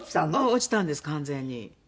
落ちたんです完全に。